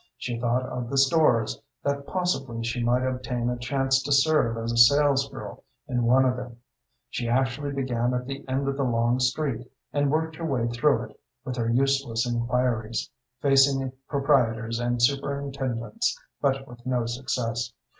She thought of the stores, that possibly she might obtain a chance to serve as a sales girl in one of them. She actually began at the end of the long street, and worked her way through it, with her useless inquiries, facing proprietors and superintendents, but with no success.